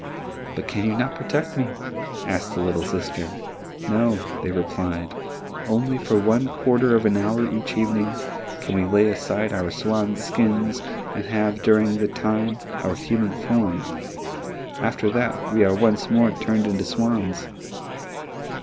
"But can you not protect me?" asked the little sister. "No," they replied, "only for one quarter of an hour each evening can we lay aside our swan's skins and have during that time our human form; after that, we are once more turned into swans."